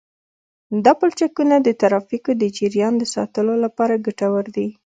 دا پلچکونه د ترافیکو د جریان د ساتلو لپاره ګټور دي